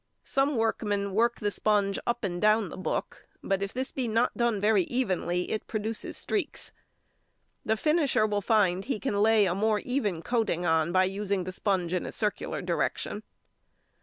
Some workmen work the sponge up and down the book, but if this be not done very evenly it produces streaks. The finisher will find he can lay a more even coating on by using the sponge in a circular direction.